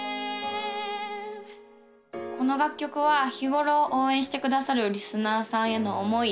この楽曲は日頃応援してくださるリスナーさんへの思い